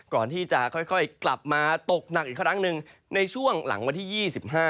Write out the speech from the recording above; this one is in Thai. ก่อนที่จะค่อยกลับมาตกหนักอีกครั้งหนึ่งในช่วงหลังวันที่๒๕